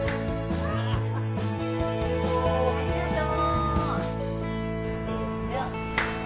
ありがとう。